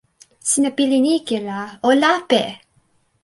sina pilin ike la, o lape!